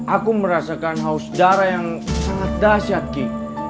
aku merasakan haus darah yang sangat dahsyat ki